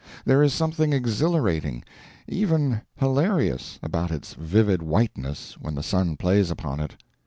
There is something exhilarating, even hilarious, about its vivid whiteness when the sun plays upon it.